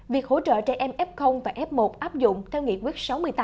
việc hỗ trợ trẻ em f và f một áp dụng theo nghị quyết sáu mươi tám